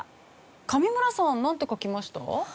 上村さんなんて書きました？